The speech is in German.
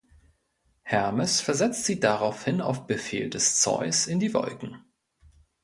Hermes versetzt sie daraufhin auf Befehl des Zeus in die Wolken.